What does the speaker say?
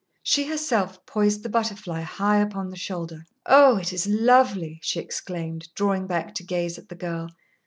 She herself poised the butterfly high upon the shoulder. "Oh, it is lovely!" she exclaimed, drawing back to gaze at the girl.